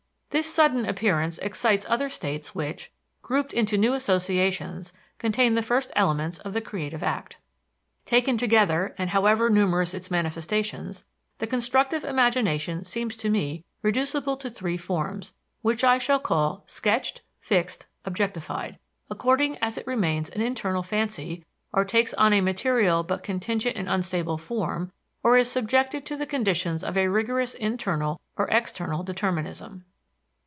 This sudden appearance excites other states which, grouped into new associations, contain the first elements of the creative act. Taken altogether, and however numerous its manifestations, the constructive imagination seems to me reducible to three forms, which I shall call sketched, fixed, objectified, according as it remains an internal fancy, or takes on a material but contingent and unstable form, or is subjected to the conditions of a rigorous internal or external determinism.